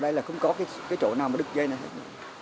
đây là không có cái chỗ nào mà đực dây này hết